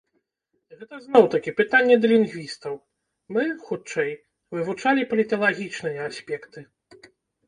Гэта зноў-такі пытанне да лінгвістаў, мы, хутчэй, вывучалі паліталагічныя аспекты.